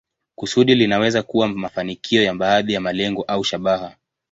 Kusudi linaweza kuwa mafanikio ya baadhi ya malengo au shabaha.